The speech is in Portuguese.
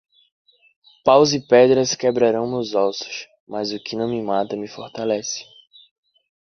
Paus e pedras quebrarão meus ossos, mas o que não me mata me fortalece.